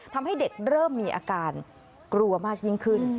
ทำให้เด็กเริ่มมีอาการกลัวมากยิ่งขึ้น